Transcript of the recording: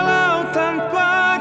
walau tanpa kata